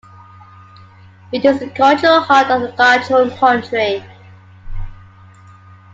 It is the cultural heart of the Cajun Country.